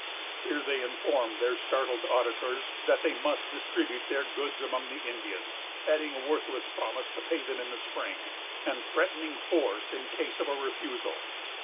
Here they informed their startled auditors that they must distribute their goods among the Indians, adding a worthless promise to pay them in the spring, and threatening force in case of a refusal.